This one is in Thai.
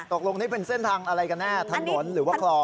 ตกลงนี่เป็นเส้นทางอะไรกันแน่ถนนหรือว่าคลอง